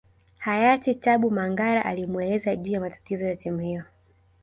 Hayati Tabu Mangara alimueleza juu ya matatizo ya timu hiyo